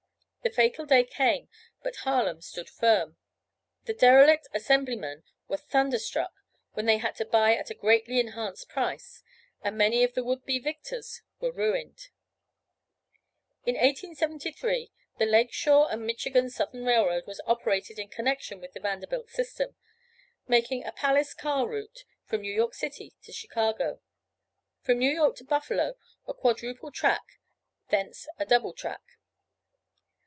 The fatal day came but Harlem stood firm. The derelict Assemblymen were thunderstruck when they had to buy at a greatly enhanced price, and many of the would be victors were ruined. In 1873 the Lake Shore & Michigan Southern railroad was operated in connection with the Vanderbilt system, making a Palace Car route from New York city to Chicago. From New York to Buffalo a quadruple track, thence a double track.